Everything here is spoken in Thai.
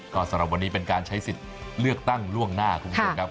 ก็สำหรับวันนี้เป็นการใช้สิทธิ์เลือกตั้งล่วงหน้าคุณผู้ชมครับ